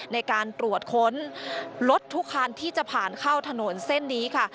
ในการตรวจค้นรถทุกคันที่จะผ่านเข้าถนนเส้นนี้ค่ะ